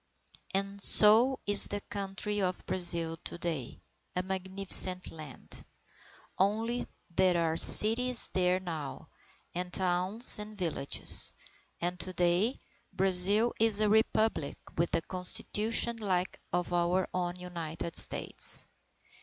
And so is the country of Brazil to day a magnificent land! Only there are cities there now, and towns and villages. And to day, Brazil is a Republic with a Constitution like that of our own United States.